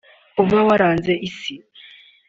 uba waranze Isi